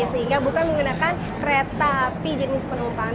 sehingga bukan menggunakan kereta api jenis penumpang